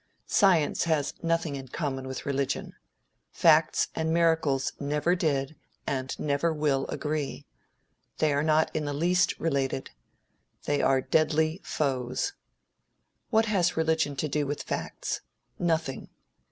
Science has nothing in common with religion. Facts and miracles never did, and never will agree. They are not in the least related. They are deadly foes. What has religion to do with facts? Nothing.